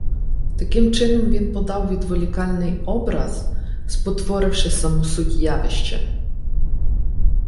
Таким чином він подав відволікальний образ, спотворивши саму суть явища